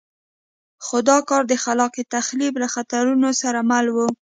خو دا کار د خلاق تخریب له خطرونو سره مل وو.